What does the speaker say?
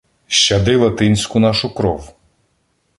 Щади латинську нашу кров.